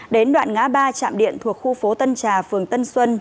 đến đoạn ngã ba trạm điện thuộc khu phố tân trà phường tân xuân